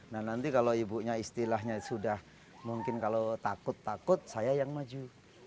nah nanti kalau ibunya istilahnya sudah mungkin kalau takut takut saya yang maju